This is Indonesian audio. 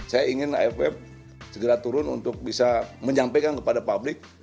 saya ingin aff segera turun untuk bisa menyampaikan kepada publik